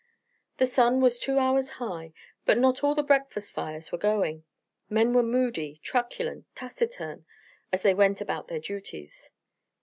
The sun was two hours high, but not all the breakfast fires were going. Men were moody, truculent, taciturn, as they went about their duties.